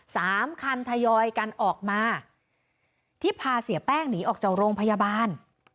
สามคันทยอยกันออกมาที่พาเสียแป้งหนีออกจากโรงพยาบาล